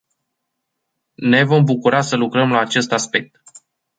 Ne vom bucura să lucrăm la acest aspect.